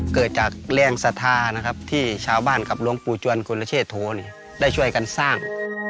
เกิดจากแรงศรัทธานะครับที่ชาวบ้านกับหลวงปู่จวนคุณเชษโธได้ช่วยกันสร้าง